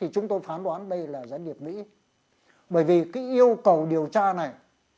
chúng tôi phán đoán đây là gián điệp mỹ bởi vì cái yêu cầu điều tra này